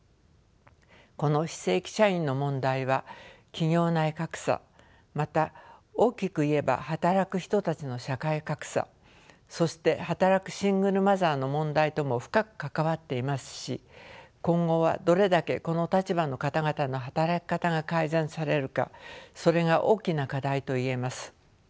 この非正規社員の問題は企業内格差また大きく言えば働く人たちの社会格差そして働くシングルマザーの問題とも深く関わっていますし今後はどれだけこの立場の方々の働き方が改善されるかそれが大きな課題と言えます。